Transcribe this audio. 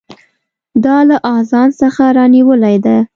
دا له اذان څخه رانیولې ده.